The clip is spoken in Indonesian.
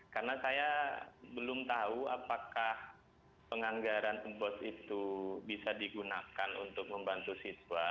karena saya belum tahu apakah penganggaran bos itu bisa digunakan untuk membantu siswa